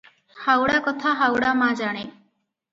ହାଉଡ଼ା କଥା ହାଉଡ଼ା ମା ଜାଣେ ।